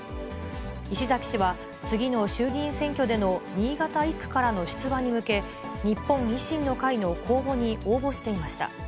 石崎氏は、次の衆議院選挙での新潟１区からの出馬に向け、日本維新の会の公募に応募していました。